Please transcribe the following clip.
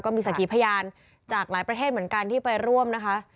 มีสักขีพยานจากหลายประเทศเหมือนกันที่ไปร่วมนะคะ